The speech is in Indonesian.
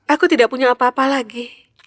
aku tidak punya apa apa lagi